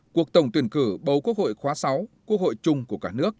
cuộc tổng tuyển cử bầu quốc hội khóa sáu quốc hội chung của cả nước